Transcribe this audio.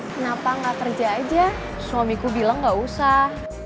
kenapa nggak kerja aja suamiku bilang gak usah